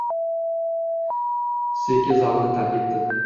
Seki zalni tark etdi